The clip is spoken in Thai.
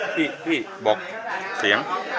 พี่พี่บอกเสียง